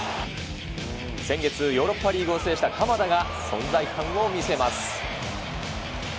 先月、ヨーロッパリーグを制した鎌田が存在感を見せます。